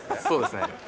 そうですね。